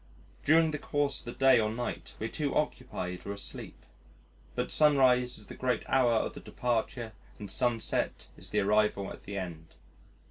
During the course of the day or night, we are too occupied or asleep but sunrise is the great hour of the departure and sunset is the arrival at the end.